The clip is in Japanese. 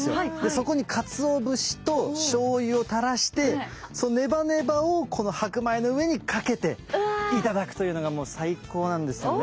そこにかつお節としょうゆをたらしてそのネバネバをこの白米の上にかけて頂くというのがもう最高なんですよね！